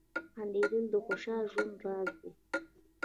• خندېدل د خوشال ژوند راز دی.